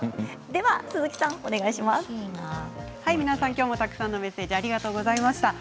きょうもたくさんのメッセージありがとうございました。